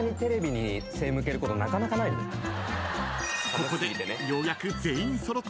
［ここで］